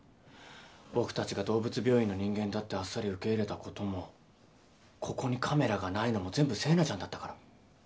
僕たちが動物病院の人間だってあっさり受け入れたこともここにカメラがないのも全部星名ちゃんだったから。